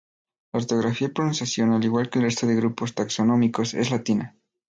La ortografía y pronunciación, al igual que el resto de grupos taxonómicos, es latina.